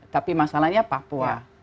tapi masalahnya papua